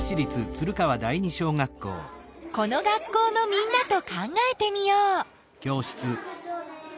この学校のみんなと考えてみよう。